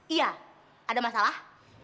iya ada masalah